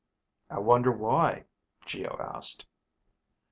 "I wonder why?" Geo asked.